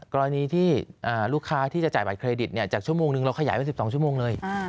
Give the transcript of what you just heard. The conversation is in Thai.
กรณีที่ลูกค้าที่จะจ่ายบัตรเครดิตจากชั่วโมงนึงเราขยายไป๑๒ชั่วโมงเลย